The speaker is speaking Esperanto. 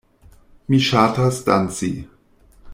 Mi ŝatas danci.